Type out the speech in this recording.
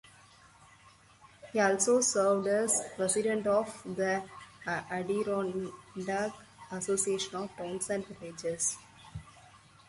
He also served as president of the Adirondack Association of Towns and Villages.